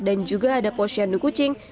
dan juga adopsi kucing